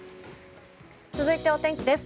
続いてお天気です。